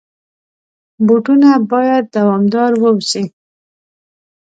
بوټونه باید دوامدار واوسي.